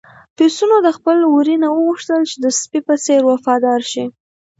پسونو د خپل وري نه وغوښتل چې د سپي په څېر وفادار شي.